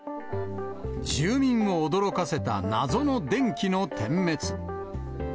住民を驚かせた謎の電気の点滅。